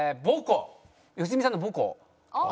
良純さんの母校。